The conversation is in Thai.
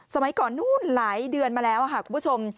สมัยก่อนนู้นหลายเดือนมาแล้วค่ะคุณผู้ชม